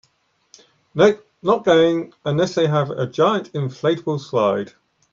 Nope, not going unless they have a giant inflatable slide.